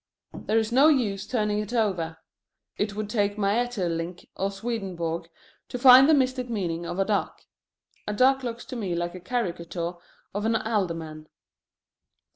There is no use turning it over. It would take Maeterlinck or Swedenborg to find the mystic meaning of a duck. A duck looks to me like a caricature of an alderman.